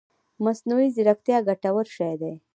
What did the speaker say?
مصنوعي ځيرکتيا ګټور شی دی